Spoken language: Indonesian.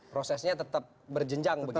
prosesnya tetap berjenjang begitu